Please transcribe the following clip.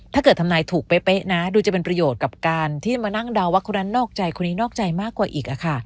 ถ้าเกิดทำนายถูกเป๊ะนะดูจะเป็นประโยชน์กับการที่มานั่งเดาว่าคนนั้นนอกใจคนนี้นอกใจมากกว่าอีก